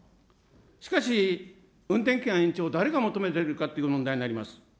しかし、運転期間延長を誰が求めているかという問題になります。